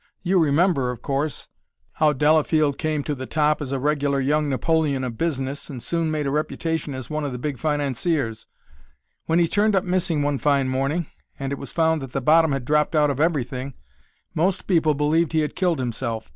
You remember, of course, how Delafield came to the top as a regular young Napoleon of business, and soon made a reputation as one of the big financiers. When he turned up missing one fine morning, and it was found that the bottom had dropped out of everything, most people believed he had killed himself.